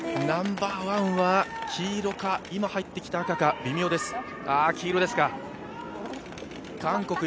ナンバーワンは黄色か、今、入ってきた赤か、微妙です。